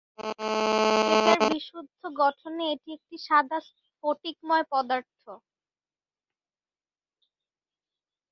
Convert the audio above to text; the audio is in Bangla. এটার বিশুদ্ধ গঠনে এটি একটি সাদা স্ফটিকময় পদার্থ।